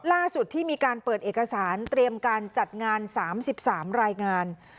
ล่าสุดที่มีการเปิดเอกสารเตรียมการจัดงาน๓๓รายงาน